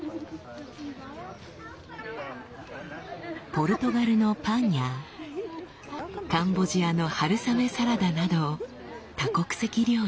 ポルトガルのパンやカンボジアの春雨サラダなど多国籍料理。